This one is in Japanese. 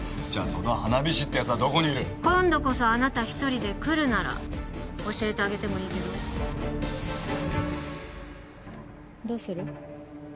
その花火師ってやつはどこにいる今度こそあなた一人で来るなら教えてあげてもいいけどどうする？